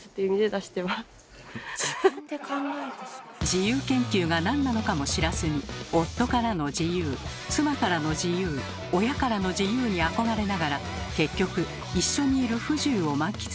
「自由研究」がなんなのかも知らずに夫からの自由妻からの自由親からの自由に憧れながら結局一緒にいる不自由を満喫している皆さん。